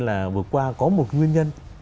là vừa qua có một nguyên nhân